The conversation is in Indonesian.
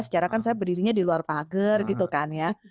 secara kan saya berdirinya di luar pager gitu kan ya